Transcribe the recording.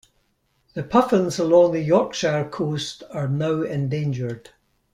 The puffins along the Yorkshire coast are now endangered.